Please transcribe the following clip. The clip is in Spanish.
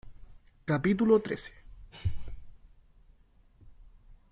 capítulo trece.